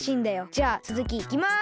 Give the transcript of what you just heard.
じゃあつづきいきます！